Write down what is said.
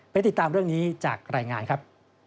ติดตามเรื่องนี้จากรายงานครับ